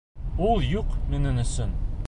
Ул юҡ минең өсөн.